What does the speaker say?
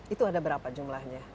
itu ada berapa jumlahnya